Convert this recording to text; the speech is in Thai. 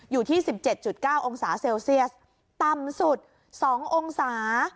อยู่ที่๑๗๙องศาเซลเซียสต่ำสุด๒องศา